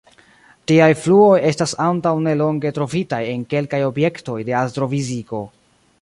Tiaj fluoj estas antaŭnelonge trovitaj en kelkaj objektoj de astrofiziko.